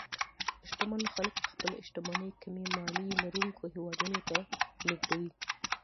شتمن خلک خپلې شتمنۍ کمې مالیې لرونکو هېوادونو ته لېږدوي.